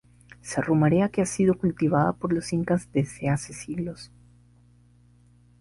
Se rumorea que ha sido cultivada por los Incas desde hace siglos.